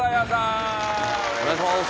お願いします。